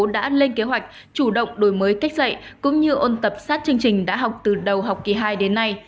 đã lên kế hoạch chủ động đổi mới cách dạy cũng như ôn tập sát chương trình đã học từ đầu học kỳ hai đến nay